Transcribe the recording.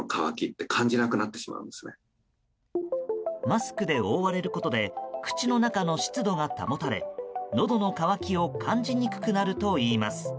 マスクで覆われることで口の中の湿度が保たれのどの渇きを感じにくくなるといいます。